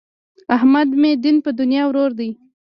احمد مې دین په دنیا ورور دی.